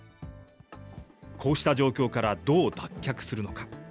こうした状況からどう脱却するのか。